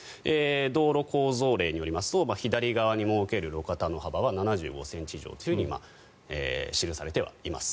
道路構造令によりますと左側に設ける路肩の幅は７５ｃｍ以上と記されてはいます。